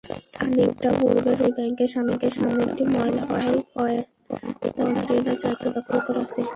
খানিকটা পূর্বে রূপালী ব্যাংকের সামনে একটি ময়লাবাহী কনটেইনার জায়গা দখল করে আছে।